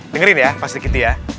dengerin ya pak sri kiti ya